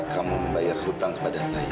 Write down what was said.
kamu membayar hutang kepada saya